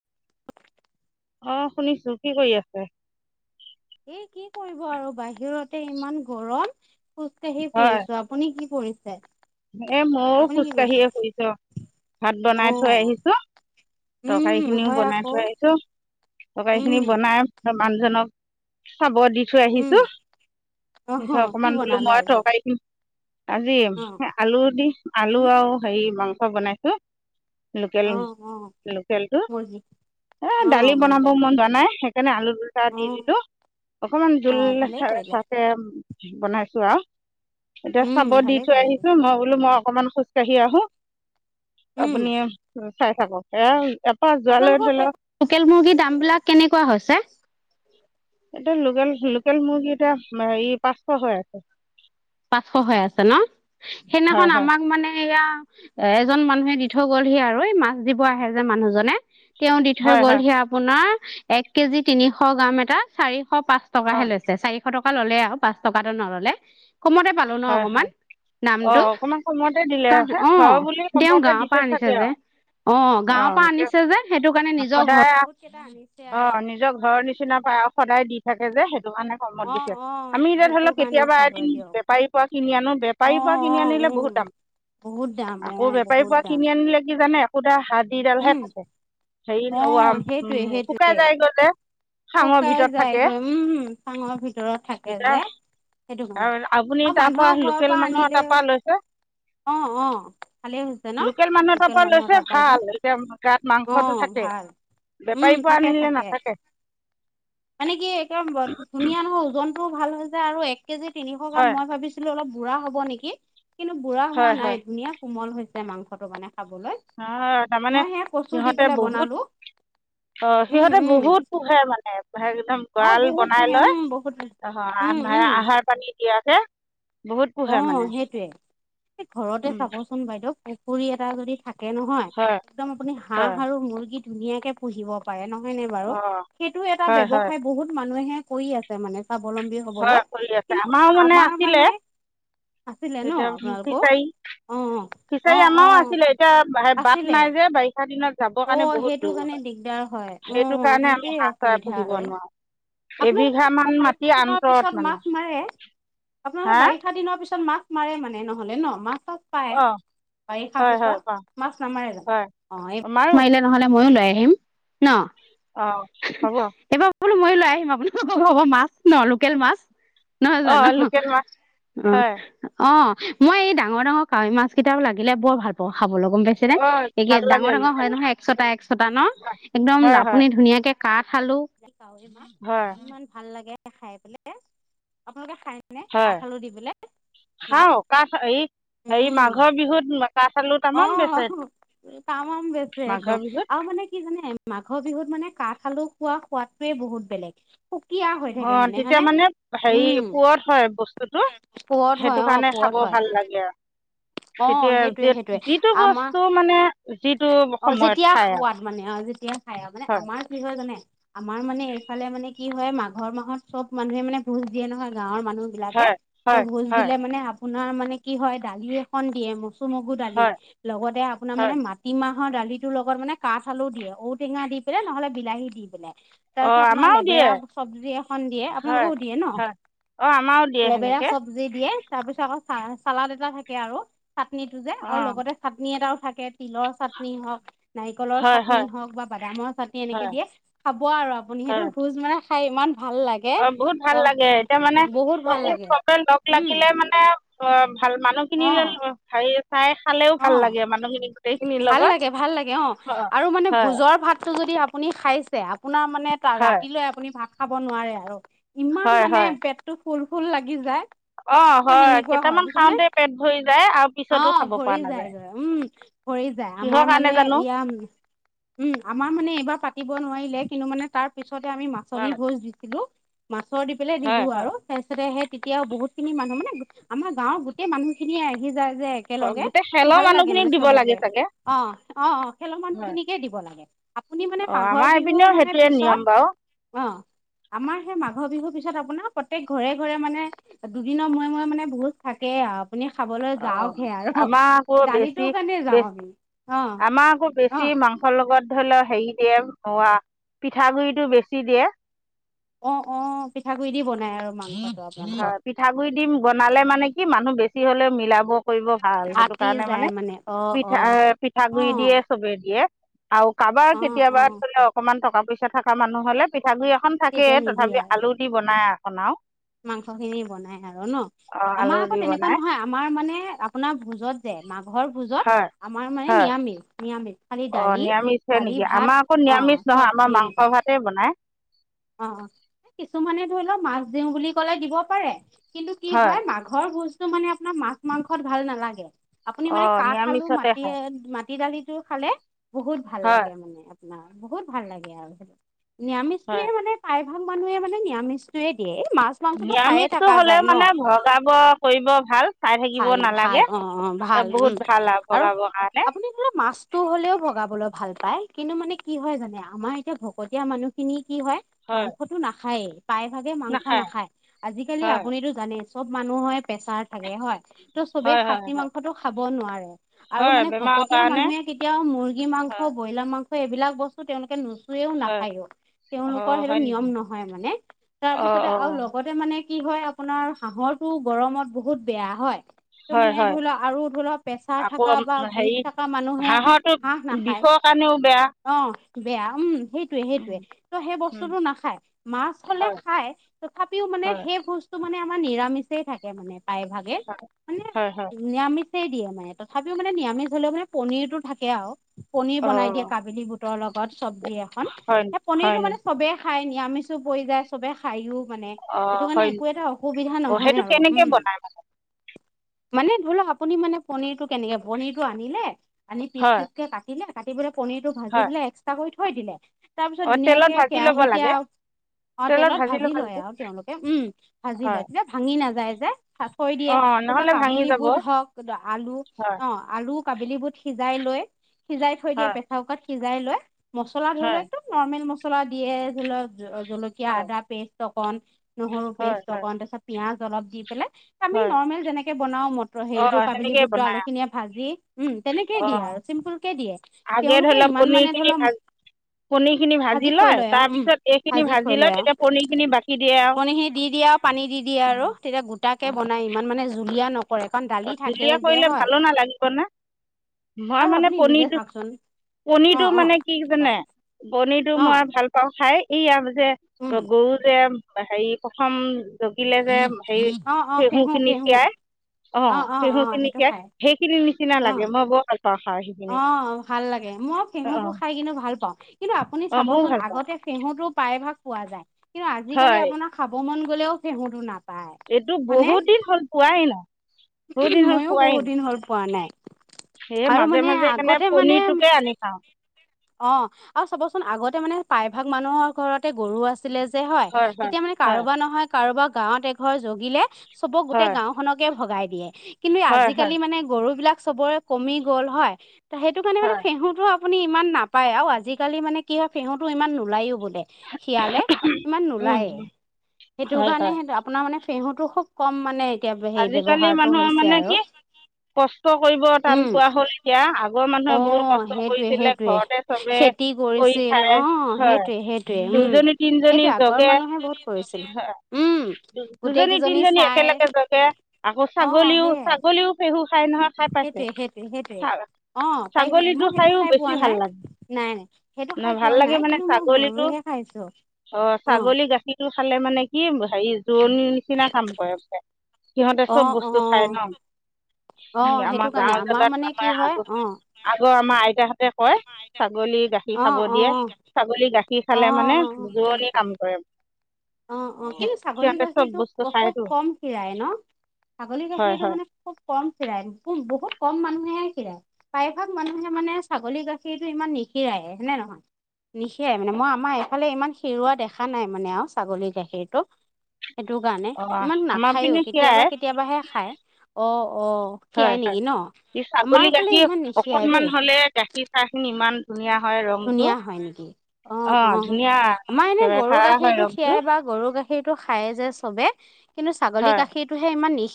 [inaudible] অ' শুনিছো কি কৰি আছে? এ কি কৰিব আৰু বাহিৰতে ইমান গৰম খোজ কঢ়ি হয় ফুৰিছো আপুনি কি পৰিছে। এ মইও খোজ কাঢ়িয়ে ফুৰিছো ভাত অ বনাই থৈ আহিছো। তৰকাৰী উম খিনিও হয় বনাই আকৌ থৈ আহিছো, তৰকাৰী উম খিনি বনাই মানুহজনক, চাব দি থৈ উম আহিছো, অহ নিঠৈ কি অকমান বোলো বনালে মই আজি তৰকাৰী খিনি আজি অ আলু দি আলু উম আৰু হেৰি মাংস বনাইছো। লোকেল, অ অ লোকেলতটো মুৰ্গী এ অ দালি বনাব মুৰ্গী মন যোৱা নাই। সেইকাৰণে আলু দুটা অ দি দিলো, অকমান জোল অ ভালেই খেৰ কৰিলে খেহকে বনাইছো আৰু, এতিয়া উম চাব দি ভালেই থৈ আহি কৰিছে বোলো মই অকণমান খোজকাঢ়ি আহো, উম আপুনি চাই থাকক, এয়া এপা যোৱালৈ আপোনালোকৰ ধৰি সেই লওক লোকেল মুৰ্গীৰ দাম বিলাক কেনেকুৱা হৈছে? এতিয়া লোকেল লোকেল মুৰ্গী এতিয়া হেৰী পাঁচশ হৈ আছে। পাঁচশ হৈ আছে ন, হয় সেইদিনাখন হয় আমাক মানে এয়া এজন মানুহে দি দি থৈ গ'লহি আৰু এই মাছ দিব আহে যে মানুহজনে তেওঁ দি থৈ হয় হয় গ'লহি আপোনাৰ এক কেজি তিনিশ গ্ৰাম এটা, চাৰিশ পাঁচ হয় টকাহে লৈছে চাৰি এশ টকা ললে আৰু পাঁচ টকাটো নল'লে, কমতে পালো ন হয় হয় অকমান। অঁ দামটো, অকণমান কমতে দিলে কাৰন হে ঘৰৰ অ' বুলি তেওঁ কমতে গাঁৱৰ দিছে পৰা আনিছে চাগে যে। আৰু অ' গাঁৱৰ অঁ পৰা এতিয়া আনিছে যে সেইটো কাৰণে নিজৰ সদায় ঘৰত কেইটা আনিছে আৰু। অঁ নিজৰ [unintelligible] সদায় দি থাকে যে সেইটো কাৰণে কমত অ দিছে অ আমি এতিয়া ধৰি সেইটো লওক কাৰণে কেতিয়াবা চাগৈ এদিন দিয়ক বেপাৰীৰ পৰা কিনি আনো অ বেপাৰীৰ পৰা অ কিনি আনিলে উম বহুত দাম। বহুত দাম অ আকৌ বেপাৰী বহুত পৰা দাম কিনি আনিলে কি জানে পুডা হাড্ডিদাল হে উম থাকে, হেৰি অ লয়াম সেইটোৱে শুকাই সেইটোৱে যাইগৈ যে। খাঙৰ শুকাই ভিতৰত থাকে যায়গৈ উম চাঙৰ ভিতৰত থাকে এতিয়া যে সেইটো কাৰণে। আ- আপুনি আৰু মানুহৰ তাৰপৰা ঘৰৰ লোকেল পৰা মানুহৰ আনিলেও তাৰপৰা লৈছে অ -অ ভালেই হৈছে ন লোকেল মানুহ তাৰপৰা লোকেল লৈছে মানুহৰ [unintelligible] ভাল অ। ভাল। উম বেপাৰী পৰা থাকে আনিলে থাকে নাথাকে। মানে কি একেম্বত ধুনীয়া নহয় ওজনটোও ভাল হয় যে আৰু এ কেজি তিনিশ গাম হয় মই ভাবিছিলো অলপ বুঢ়া হব নেকি কিন্তু বুঢ়া হোৱা হয় নাই হয় ধুনীয়া কোমল হৈ মাংসটো মানে খাবলৈ নহয়, তাৰমানে মই সে কচু দি সিহঁতে পেলাই বহুত বনালো। অ' উম সিহঁতে উম বহুত পোহে মানে। একদম অ গঁৰাল বহুত বনাই পোহে লৈ উম বহুত আহ উম উম আহাৰ পানী দিয়াকে অ' সেইটয়ে ঘৰতে উম, চাবচোন বাইদেউ পুখুৰী এটা যদি থাকে নহয় হয় একদম আপুনি হয় হাঁহ আৰু মুৰ্গী ধুনীয়াকে পুহিব পাৰে নহ হয় নে বাৰু অঁ সেইটো এটা হয় হয় ব্যয়সায় বহুত মানুহে কৰি আছে মানে স্বাৱলম্বী হবলৈ। হয়, কৰি আছে কিন্তু আমাৰও আপোনাৰ মানে আমাৰ আছিলে আছিলে ন এতিয়া আপোনালোকৰও ফিচাৰী। অ', ফিচাৰী অ', আমাৰও অ', আছিলে এতিয়া বাট আছিলে নাই যে বাৰিষা দিন। অ' সেইটো কাৰণে দিগদাৰ হয় সেইটো উম, কাৰণে আমি সেইটোৱেই হাঁহ চৰাই অসুবিধা পুহিব আৰু। নোৱাৰো আপোনালোকে এবিঘা নহলে মান বাৰিষা মাটি দিনত পিছত আন্তৰত মানে মাছ মাৰে আপোনালোকে হা বাৰিষা দিনৰ পিছত মাছ মাৰে মানে নহলে ন মাছ চব পায়। অ বাৰিষাৰ হয় হয় পাওঁ পিছত মাছ নামাৰে যাম হয় অ' এই মাছ মাৰো মাৰিলে নহলে মই ওলাই আহিম ন অ' হব। এইবাৰ বোলো ময়ো লৈ আহিম আপোনালোকৰ ঘৰৰ পৰা মাছ ন লোকেল মাছ নহয় অ জানো লোকেল মাছ অ হয় অ মই এই ডাঙৰ-ডাঙৰ কাৱৈ মাছ কেইটাও লাগিলে বৰ ভাল পা খাবলৈ গম পাইছে ন অ এইে ভাল লাগে ডাঙৰ-ডাঙৰ লোকেল হয় নহয় একচটা মাছকেইটা একচটা ন এক্দম হয় হয় হয় আপুনি ধুনীয়াকে কাঠ আলু মাছ হয় ইমান ভাল লাগে খাই পেলে আপোনালোকে খাই নে কাঠ হয় আলু দি পেলাই মাছ খাও কঠ এই সেই উম মাঘৰ বিহুত কাঠ আলু তামাম বেচে অ' টামাম বেচ মাঘৰ একদম বিহুত আৰু মানে কি জানে মাঘৰ বিহুত মানে কাঠ আলু খোৱা সোৱাদটোৱে বহুত বেলেগ। সুকীয়া হৈ অ থাকে তেতিয়া হয়নে? মানে হেৰি উম, পোৱত হয় বস্তুটো পুৰঠ হয় সেইটো অ', কাৰণে পুৰঠ খাব হয়। ভাল লাগে আৰু। অ' তেতিয়া যে সেইটোয়ে-সেইটোয়ে যিটো বস্তু আমাৰ মানে যিটো অ' সময়ত যেতিয়া খায় আৰু সোৱাদ মানে অ' যেতিয়া খাই আৰু মানে হয় আমাৰ কি হয় জানে। আমাৰ মানে এইফালে মানে কি হয় মাঘৰ মাহত চব মানুহে মানে ভোজ দিয়ে নহয় গাঁৱৰ। মানুহ বিলাকে হয় ত' হয় ভোজ হয় দিলে মানে আপোনাৰ মানে কি হয় দালি এখন দিয়ে ম মুগু দালি হয় লগতে আপোনাৰ হয় মানে মাটিমাহ ৰ দালি ৰ লগত মানে কাঠ আলু দিয়ে ঔটেঙা দি পেলনে নহ'লে বিলাহী দি পেলাই। অঁ তাৰপিছত আপোনাৰ আমাৰো দিয়ে লেবেৰা সৱজি এখন দিয়ে হয় আপোনালোকেও দিয়ে ন। হয় অঁ আমাৰো দিয়ে লেবেৰা সেনেকৈ স্বাজি দিয়ে তাৰ পিছত আকৌ চা চালাদ এটা থাকে আৰু চাটনি তটো যে আৰু অঁ লগতে চাটনি এটাও থাকে তিলৰ চাটনি। চাটনি হওক নাৰিকলৰ হয় চাটনি হয় হওক বা বাদামৰ চাটনি এনেকে হয় দিয়ে খাব আৰু আপুনি সেইটো ভোজ মানে। খাই ইমান ভাল লাগে অ বহুত ত ভাল লাগে এতিয়া মানে বহুত ভাল যদি লাগে চবে লগ উম লাগিলে মানে অ ভাল মান মানুহখিন অ ল হেৰি। চাই খালেও ভাল অ' লাগে মানুহখিনি গোটেইখিনিৰ ভাল লগত লাগে ভাল লাগে অ' অঁ আৰু মানে হয় ভোজৰ ভাতটো যদি। আপুনি খাইছে আপোনাৰ মানে হয় ৰাতিলৈ আপুনি ভাত খাব নোৱাৰে আৰু ইমান মানে পেটতটো ফুল-ফুল লাগি যায়। অ' এ হয় সেনেকুৱা হয় কেইটামান বুজিছানে খাওতে পেট ভৰি যায় আৰু পিছতো খাব। পৰি পৰা নাযায় যায় গৈ উম, পৰি যায় কিহৰ আমাৰ কাৰণে মানে জানো ইয়া উম আমাৰ মানে এইবাৰ পাতিব নোৱাৰিলে কিন্তু মানে তাৰ পিছতে আমি মাচনী হয় ভোজ দিছিলো মাছৰ দি পেলাই হয় দিলো আৰু তাৰপিছতে সেই তেতিয়াও বহুত খিনি মানুহ মানে আমাৰ গাঁৱৰ গোটেই মানুহ খিনিয়ে আহি যায় যে অ একেলগে গোটেই খেলৰ ভাল লাগে মানুহখিনিক মানে দিব চবকে। লাগে চাগে অ-অ-অ খেলৰ মানুহ হয় খিনিকে দিব লাগে আপুনি মানে অ ম মাঘৰ আমাৰ বিহুৰ এইপিনেও মানে সেইটোৱে পিছৰ নিয়ম বাৰু অ' আমাৰ মাঘৰ মাঘৰ বিহুৰ পিছত আপোনাৰ প্ৰত্যেক ঘৰে-ঘৰে মানে দুদিনৰ মূৰে-মূৰে মানে ভোজ থাকে আৰু। আপুনি খাবলৈ অ যাওকহে আৰু। আমাৰ বেছি দালিটোৰ কাৰণে বে যাওঁ আমি অ আমাৰকো অ বেছি মাংস লগ লগত ধৰি লও হেৰি দিয়ে পিঠাগুডৰিটো বেছি দিয়ে। অ, অ, পিঠাগুড়ি দি বনাই আৰু মাংস। হয় পিঠাগুৰি দিম বনালে মানে কি মানুহ বেছি হলে মিলাব কৰিব ভাল সেইটো আতি কাৰণে যায় মানে অ অ পিঠা অ পিঠাগুৰি দিয়ে চবে দিয়ে। আৰু কাৰোবাৰ অ অ কেতিয়াবা থলে অকমান টকা পইচা থকা মানুহ হলে পিঠাগুৰি এখন থাকে তেতিয়া নিদিয়ে তথাপি আৰু আলু দি বনাই এখন আৰু। মাংস খিনি বনাই আৰু ন অ' আলু আমাৰ দি আকৌ তেনেকুৱা বনাই নহয়। আমাৰ মানে আপোনাৰ ভোজত যে। মাঘৰ ভোজত হয় আমাৰ মানে হয় নিৰামিষ। নিৰামিষ খালি অ, দালি নিৰামিষ হয় দালি নেকি ভাত আমাৰ আকৌ অ নিৰামিষ নহয় চব্জি আমাৰ এনেকুৱা মাংস ভাতেই বনাই। অ, কিছুমানে ধৰি লওক মাছ দিওঁ বুলি কলে দিব পাৰে। কিন্তু কি হয় মাঘৰ ভোজটো মানে আপোনাৰ মাছ মাংসত ভাল নালাগে। আপুনি মানে অ' কাঠ আলু নিৰামিষতে মাটি খায় ম মতি দালিটো খালে বহুত ভাল হয় লাগে মানে আপোনাৰ বহুত ভাল লাগে আৰু সেই নিৰামিষ হয়। বিাগ মানুহে মানে নিৰামিষটয়ে দিয়ে। মাছ মাংসটো খায়ে নিৰামিষটো থকা হলেও যায় মানে ভগাব কৰিব ভাল। চাই থাকিব ভাল-ভাল, নালাগে অ', অ', ভাল উম, বহুত ভাল আৰু ভগাবৰ কাৰণে আপুনি বোলো মাছতটো হ'লেও ভগাবলৈ ভাল পাই। কিন্তু মানে কি হয় জানে আমাৰ এতিয়া ভকতীয়া মানুহখিনিয়ে কি হয় মাংসটো নাখায়েই। প্ৰায় ভাগে মাংস নাখায়। হয় তো চবেই হয় হয় খাচী হয় মাংসতটো খাব নোৱাৰে। আৰু হয় মানে বেমাৰৰ ভকতীয়া কাৰণে মানুহে কেতিয়াও মুৰ্গী মাংস হয় ব্ৰইলাৰ মাংস এইবিলাক বস্তু তেওঁলোকে ন চও হয় নাখায়ও তেওঁলোকৰ অ' সেইটো হয় নেকি নিয়ম নহয় মানে অ' তাৰপিছতে অ' আৰু লগতে মানে কি হয় আপোনাৰ হাঁহৰটো গৰমত বহুত বেয়া হয়। তটো হয় মানে হয় ধৰি লোৱা আৰু ধৰি লোৱা প্ৰেছাৰ আকৌ থকা উম, বা বিষ থকা মানুহে হাঁহ নাখায়। খ কাৰণেও বেয়া। অ, বেয়া উম, সেইটোয়ে উম, সেইটোয়ে ত' সেই উম, বস্তুটো নাখায়। মাছ হ'লে হয় খাই, তথাপিও মানে হয় সেই বস্তু মানে নিৰামিষেই থাকে মানে প্ৰায় ভাগে হয় মানে হয়, হয়। নিৰামিষেই কে দিয়ে মানে তথাপিও মানে নিৰামিষ হ'লেও মানে পণীৰতো থাকে আৰু পনিৰ বনাই দিয়ে অ', কাবিলি বুটৰ লগত চবজি এখন হয় নি? সেই হয় পনিৰটো নি? মানে চবেই খাই। নিৰামিষো পৰি যায় চবে খাইও। মানে সেইটো অ', হয় কাৰণে নি? একো এটা অসুবিধা অ', নহয় সেইটো আৰু কেনেকে উম। বনাই? মানে ধৰি লওঁক আপুনি মানে পণীৰটো কেনেকে পণীৰটো আনিলে। আনি পিচ হয়, পিচ কে কাটিলে, কাটি পেল পণীৰটো ভাজি হয়। পেলাই এক্সট্ৰা কৰি থয় থৈয় দিলে। তাৰ পিছত অ', তেলত ধুনীয়াকে ভাজি ল'ব কেৰাহীতে লাগে। অ' তেলত ভাজি লয় আৰু তেওঁলোকে উম, ভাজি হয়। লয়, তেতিয়া ভাঙি নাযায় যে থৈয় দিয়ে। অ', তাৰপিছত নহ'লে ভাঙি কাবিলি যাব। বুট হওঁক, আলু হয়, অ' আলু কাবিলী বুট সিজাই লৈয় সিজাই থৈ দিয়ে হয়, প্ৰেছাৰ কুকাৰাত সিজাই লৈ মছলা ধৰি লোৱা হয়, একদম নৰ্মেল মছলা দিয়ে ধৰি লওঁক। জলকীয়া, হয়, আদা পেষ্ট অকণ নহৰু হয়, পেষ্ট হয়, অকণ তাৰ পিছত পিয়াজ অলপ দি পেলাই। আমি হয়। নৰ্মেল যেনেকে বনাও মটৰ হেৰিটো অ', কাবিলি সেনেকেই বুটৰ বনাই। আলু খিনিয়ে ভাজি। উম, তেনেকে দিয়ে আৰু অ', চিম্পুল কে দিয়ে। আগে তেওঁলোকে ধৰিল ইমান পনীৰ মানে ধৰি খিনি লওক ভাজি। পনীৰ খিনি ভাজি থৈ লয়, আৰু উম তাৰপিছত এইখিনি থৈ ভাজি লয়, আৰু তেতিয়া পনিৰ খিনি বাকি দিয়ে আহ এতিয়াও পানী দি দিয়ে আৰু তেতিয়া গোট কে বনাই ইমান মানে জুলীয়া নক অ' জুলীয়া কৰিলে ভালোঁ নালাগিব না। মই আৰু মানে আপুনি নিজে পনীৰটো চাওকচোন অ পনীৰটো অ মানে কি জানে? পনীৰটো অ মই ভাল পাওঁ খাই, এইয়া যে উম গৰু যে হেৰি প্ৰথম। জগিলে যে হে ফেহু খিনি খিয়াই অ' চহুখিনিয় সেইখিনি নিচিনা অ লাগে মই বৰ ভাল পাওঁ খাওঁ সেইখিনি। অ' ভাল লাগে মই ঘেঁহুটো অঁ খাই কিনে ভাল পাওঁ কিন্ত আপুনি অঁ ময়ো চাবচোন ভাল পাওঁ আগতে সেহুতোও প্ৰায়ভাগ পোৱা যায় কিন্তু আজিকালি হয় আপোনাৰ খাব মন গ'লেও [unintelligible] এইটো বহুত দিন হ'ল পোৱাই নাই। বহুত দিন হ'ল ময়োউ খোৱাই বহুত নাই দিন হ'ল পোৱা নাই। সেয়ে আৰু মাজে মানে মাজে কাৰণে আগতে মানে পনিৰটোকে আনি খাওঁ। অ' আৰু চাবচোন আগতে মানে প্ৰায়ভাগ মানুহৰ ঘৰতে গৰু আছে। ছিলে যে হয় তেতিয়া মানে কাৰোবাৰ নহয় কাৰোবাৰ গাঁৱত এঘৰ জগিলে চবক গোটেই হয় গাওঁখনকে ভগাই দিয়ে। কিন্তু, হয় হয় আজিকালি মানে গৰু বিলাক চবৰে কমি গ'ল হয় সেইটো কাৰণে মানে হয় ফেহুতটো আপুনি ইমান নাপ পাই আৰু আজিকালি মানে কি হয়, ফেহুতো ইমান নোলায়ো বো শিয়ালে ইমান উম নোলায়ে। সেইটো হয় কাৰণে হয়। সেইটো আপোনাৰ মানে পেহুতটো খুব কম মানে এতিয়া হে আজিকালি ব্যৱহাৰতটো মানুহৰ হৈছে মানে কি আৰু। কষ্ট কৰিব টান উম পোৱা হ'ল, এতিয়া আগৰ অ মানুহে বহুত কষ্ট সেইটোৱে কৰিছিলে সেইটোৱে ঘৰতে চবে খেতি কৰি কৰিছিল অ খাই হয় সেইটোৱে সেইটোৱে উম দুজনী তিনিজনী সেইটোৱে আগৰ জগে। মানুহে বহুত কৰিছিল হয় উম গোটেই দুজনী কেইজনী তিনিজনী চাই একেলগে য কে, আকৌ অ ছাগলীও সেইয়াই ছাগলীও ফেহু খাই নহয় খাই পাইছে সেইটোৱে - সেইটোৱে - সেইটোৱে। অ' পাইছে ছাগলীটো মই সেইটো খাইও খাই বেছি পোৱা ভাল নাই লাগে নাই নাই সেইটো ন খাই ভাল পোৱা লাগে নাই মানে কিন্তু মই ছাগলীটো গৰুৱে [unintelligible] অ, ছাগলী গাখীৰটো খালে মানে কি হেৰি জোৰণিৰ নিচিনা কাম কৰে প সিহঁতে অ চব অ বস্তু খায় ন। অ সেইটো আমাৰ কাৰণে গাঁও আমাৰ জাগাত মানে কি আৰ হয় আগৰ অ - আগৰ আমাৰ আইতা কয় ছাগলী গাখীৰ অ খাব অ দিয়ে ছাগলী গাখীৰ সি অ অ খালে মানে দোৰণি কাম কৰে। অ', অ', কিন্তু ছাগলী সিহঁতে চব গাখীৰতো বস্তু অ, খুব খায়তো কম খ ন ছাগলী হয় গাখীৰটো হয় মানে খুব কম খিৰাই বহুত কম মানুহে খিৰাই প্ৰায়ভাগ মানুহে মানে ছাগলী গাখীৰটো ইমান নিশিৰায় হয় নে নহয়? নিশিয়াই মানে মই আমাৰ এইফালে ইমান হেৰুৱা দেখা নাই মানে আৰু ছাগলীৰ গাখীৰটো। সেইটো কাৰণে অঁ ইমান আমাৰ নাখায়ো পিনে সেয়াই কেতিয়াবা কেতিয়াবাহে খাই। অ', অ', খিয়াই নেকি ন? ই আমাৰ ছাগলী ফালে গাখীৰ ইমান নিখীৰাই দেই অকনমান হলে গাখীৰ চাহ খিনি ইমান ধুনীয়া হয় ৰংটো ধুনীয়া হয় নেকি? অ', অঁ অ', ধুনীয়া আমাৰ এনে একেবাৰে গৰু কাৰা হয় গাখীৰতটো ৰংটো খিৰাই বা গৰু গাখীৰ গা সীৰটো খায় যে চবে কিন্তু ছাগলী হয় গাখীৰতটোহে ইমান নি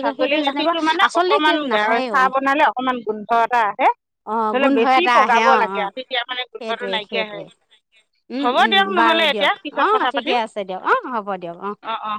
ছাগলী গাখীৰটো মানে কি অকমান নাখায়েই চাহ অ', বনালে অকমান গোন্ধ এটা আহে। অ', হলে গোন্ধ বেছি এটা আহে পগাব অ', লাগে অ', আৰু তেতিয়া মানে গপটো সেইটোৱে নাইকিয়া হৈ। সেইটোৱে উম, হ'ব উম, দিয়ক বাৰু নহলে দিয়ক এতিয়া পিছত অ', কথা ঠিকে পাতিম, আছে দিয়ক অ', হ'ব দিয়ক অ' অ'।